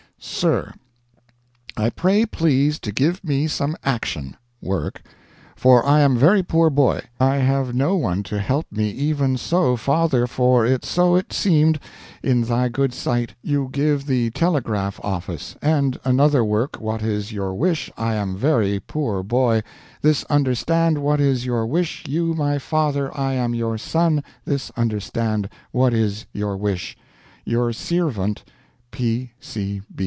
"SIR, "I pray please to give me some action (work) for I am very poor boy I have no one to help me even so father for it so it seemed in thy good sight, you give the Telegraph Office, and another work what is your wish I am very poor boy, this understand what is your wish you my father I am your son this understand what is your wish. "Your Sirvent, P.